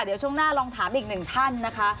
เดี๋ยวช่วงหน้าลองถามอีกหนึ่งท่านนะคะ